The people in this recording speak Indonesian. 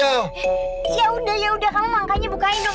yaudah yaudah kamu makanya bukain dong